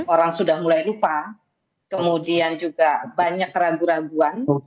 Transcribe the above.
orang sudah mulai lupa kemudian juga banyak keraguan keraguan